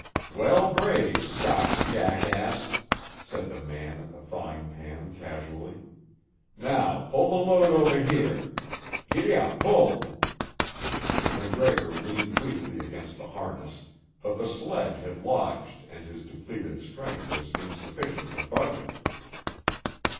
"Well brayed, Scots jackass," said the man at the thawing pan casually. "Now pull tuh load over here. Giddap pull!" MacGregor leaned weakly against the harness, but the sledge had lodged and his depleted strength was insufficient to budge it.